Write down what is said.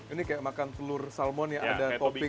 ini kayak makan telur salmon ya ada topping